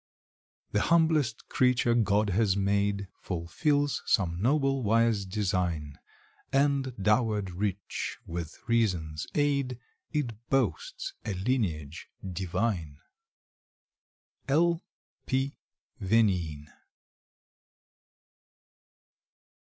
The humblest creature God has made Fulfills some noble, wise design; And, dowered rich with reason's aid, It boasts a lineage divine. L. P. Veneen.